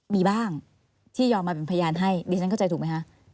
มีบ้างที่ยอมมาเป็นพยานให้ดิฉันเข้าใจถูกไหมคะ